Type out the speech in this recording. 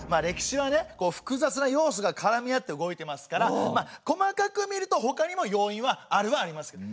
歴史はね複雑な要素がからみあって動いてますから細かく見るとほかにも要因はあるはあります。